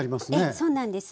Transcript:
そうなんです。